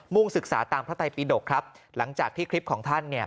่งศึกษาตามพระไทยปีดกครับหลังจากที่คลิปของท่านเนี่ย